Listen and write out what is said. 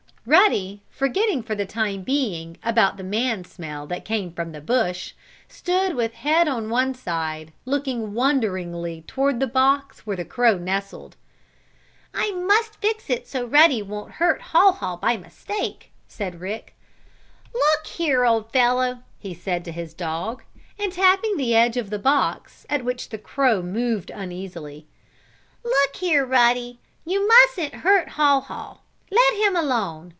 Ruddy, forgetting for the time being about the man smell that came from the bush, stood with head on one side looking wonderingly toward the box where the crow nestled. "I must fix it so Ruddy won't hurt Haw Haw by mistake," said Rick. "Look here, old fellow," he said to his dog, and tapping the edge of the box, at which sound the crow moved uneasily. "Look here, Ruddy! You mustn't hurt Haw Haw. Let him alone!